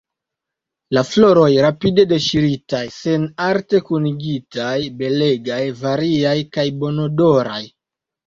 La floroj, rapide deŝiritaj, senarte kunigitaj, belegaj, variaj kaj bonodoraj.